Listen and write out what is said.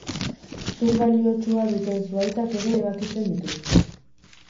Zur baliotsua duten zuhaitzak ere ebakitzen dituzte.